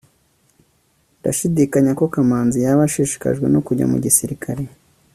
ndashidikanya ko kamanzi yaba ashishikajwe no kujya mu gisirikare